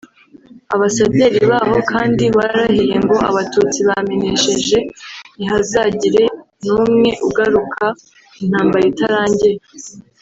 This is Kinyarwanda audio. Abasederi baho kandi bararahiye ngo Abatutsi bamenesheje ntihazagire n’umwe ugaruka intambara itarangiye